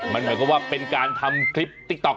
มันหมายความว่าเป็นการทำคลิปติ๊กต๊อก